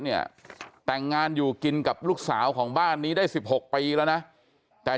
เนี่ยแต่งงานอยู่กินกับลูกสาวของบ้านนี้ได้๑๖ปีแล้วนะแต่